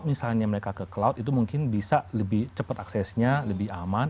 misalnya mereka ke cloud itu mungkin bisa lebih cepat aksesnya lebih aman